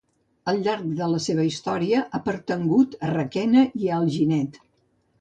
Al llarg de la seva història ha pertangut a Requena i a Alginet.